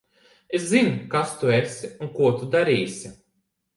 Es zinu, kas tu esi un ko tu darīsi.